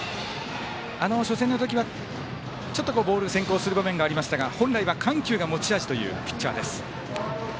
初戦の時はちょっとボールが先行する場面がありましたが本来は緩急が持ち味というピッチャーです。